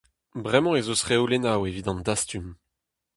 Bremañ ez eus reolennoù evit an dastum.